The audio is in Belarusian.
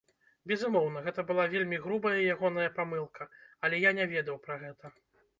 Безумоўна, гэта была вельмі грубая ягоная памылка, але я не ведаў пра гэта.